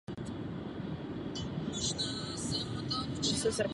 Rozlišuje duše a hmotný svět.